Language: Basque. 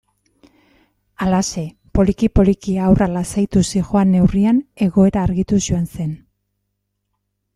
Halaxe, poliki-poliki haurra lasaituz zihoan neurrian, egoera argituz joan zen.